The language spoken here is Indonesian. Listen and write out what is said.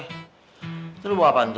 itu lo bawa apaan tuh